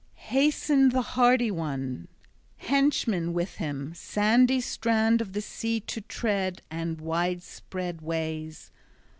XXVIII HASTENED the hardy one, henchmen with him, sandy strand of the sea to tread and widespread ways.